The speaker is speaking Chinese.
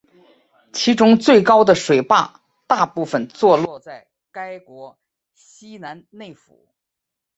其中最高的水坝大部分坐落该国西南内腹。